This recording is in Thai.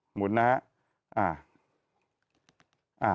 หมุนนะฮะ